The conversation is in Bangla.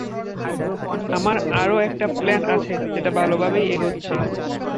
আমার আরো একটা প্ল্যান আছে যেটা ভালোভাবেই এগোচ্ছে।